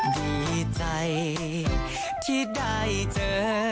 ดีใจที่ได้เจอ